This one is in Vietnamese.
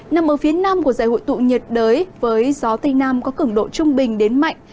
nằm ở phía nam của giải hội tụ nhiệt đới với gió tây nam có cứng độ trung bình đến mạnh